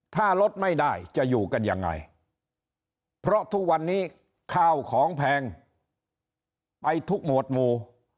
ถ้าลดไม่ได้จะอยู่กันยังไงเพราะทุกวันนี้ข้าวของแพงไปทุกหมวดหมู่